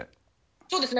そうですね。